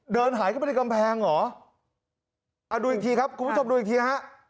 เดินหายเข้าไปในกำแพงเหรออ่าดูอีกทีครับคุณผู้ชมดูอีกทีฮะ